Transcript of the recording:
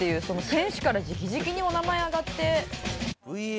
選手から直々にお名前挙がって。